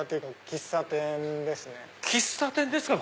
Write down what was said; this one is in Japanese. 喫茶店ですか？